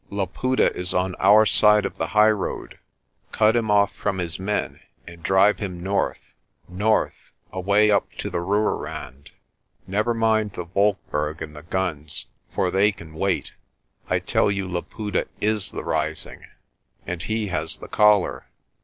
"Laputa is on our side of the highroad. Cut him off from his men, and drive him north north away up to the Rooirand. Never mind the Wolkberg and the guns, for they can wait. I tell you Laputa is the Rising and he has the collar.